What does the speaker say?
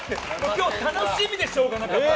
今日楽しみでしょうがなかったの。